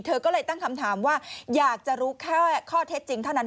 เธอก็เลยตั้งคำถามว่าอยากจะรู้แค่ข้อเท็จจริงเท่านั้น